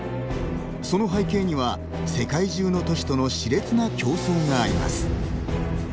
その背景には、世界中の都市とのしれつな競争があります。